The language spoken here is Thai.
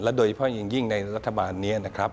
และโดยเฉพาะยังยิ่งในรัฐบาลนี้